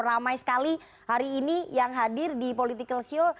ramai sekali hari ini yang hadir di political show